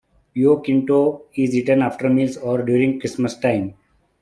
Pio Quinto is eaten after meals or during Christmas time.